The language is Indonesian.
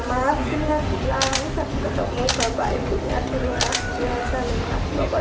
saya bilang saya tetap mau sahabat ibunya di rumah